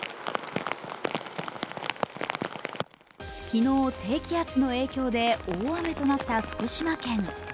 昨日、低気圧の影響で大雨となった福島県。